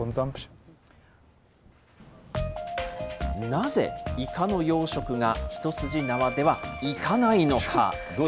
なぜイカの養殖が一筋縄ではイカないのか。